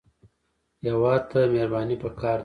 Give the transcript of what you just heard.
هېواد ته مهرباني پکار ده